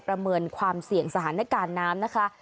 ประเมินความเสี่ยงสถานการณ์น้ำนะคะ